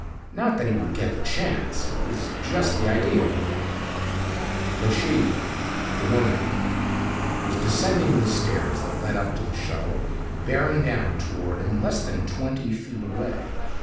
Not that he would get the chance. It was just the idea of the thing. But she, the woman, was descending the stairs that led up to the shuttle, bearing down toward him, less than twenty feet away.